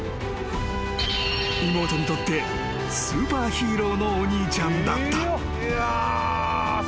［妹にとってスーパーヒーローのお兄ちゃんだった］